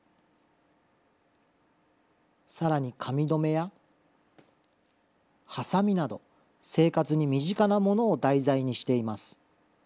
さらに髪留めや、はさみなど、生活に身近なものを題材にしています。